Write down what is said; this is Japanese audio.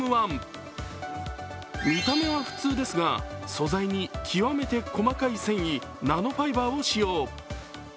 見た目は普通ですが素材に極めて細かい繊維、ナノファイバーを使用。